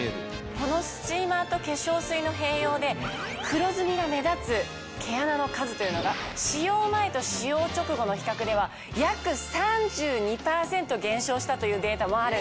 このスチーマーと化粧水の併用で黒ずみが目立つ毛穴の数というのが使用前と使用直後の比較では約３２％減少したというデータもあるんです。